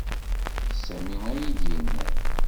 D Sami ay iyi-d-yennan.